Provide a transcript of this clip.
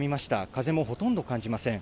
風もほとんど感じません。